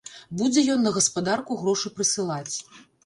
Будзе ён на гаспадарку грошы прысылаць.